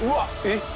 えっ！？